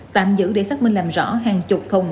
tạm giữ để xác minh làm rõ hàng chục thùng